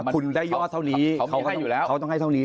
คุณได้ยอดเท่านี้เขาไม่ให้อยู่แล้ว